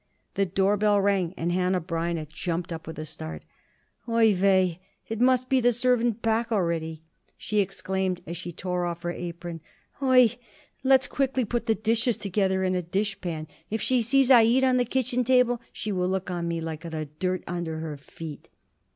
The door bell rang, and Hanneh Breineh jumped up with a start. "Oi weh! it must be the servant back already!" she exclaimed as she tore off her apron. "Oi weh! let's quickly put the dishes together in a dish pan. If she sees I eat on the kitchen table, she will look on me like the dirt under her feet."